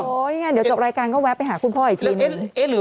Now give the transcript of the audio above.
นี่ไงเดี๋ยวจบรายการก็แวะไปหาคุณพ่ออีกทีนึง